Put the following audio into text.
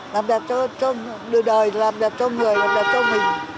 làm đẹp cho đời làm đẹp cho người làm đẹp cho mình